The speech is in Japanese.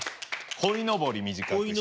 「こいのぼり」短くして。